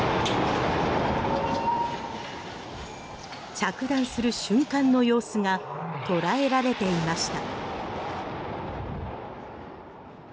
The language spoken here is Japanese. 着弾する瞬間の様子が捉えられていました。